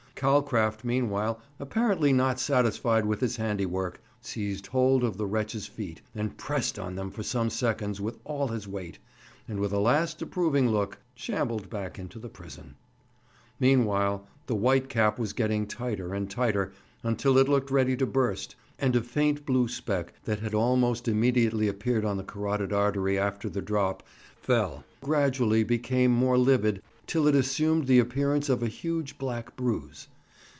Calcraft meanwhile, apparently not satisfied with his handiwork, seized hold of the wretch's feet and pressed on them for some seconds with all his weight, and with a last approving look shambled back into the prison. Meanwhile the white cap was getting tighter and tighter, until it looked ready to burst; and a faint blue speck that had almost immediately appeared on the carotid artery after the drop fell gradually became more livid till it assumed the appearance of a huge black bruise.